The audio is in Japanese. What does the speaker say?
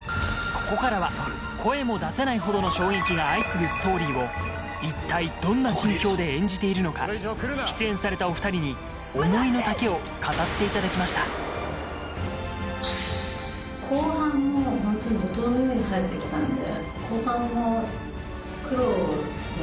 ここからは声も出せないほどの衝撃が相次ぐストーリーを一体どんな心境で演じているのか出演されたお２人に思いの丈を語っていただきました後半もホントに怒濤のように入って来たんで。